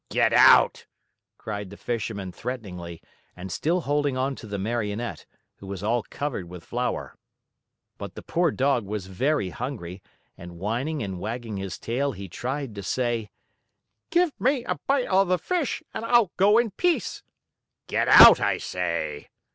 "Get out!" cried the Fisherman threateningly and still holding onto the Marionette, who was all covered with flour. But the poor Dog was very hungry, and whining and wagging his tail, he tried to say: "Give me a bite of the fish and I'll go in peace." "Get out, I say!"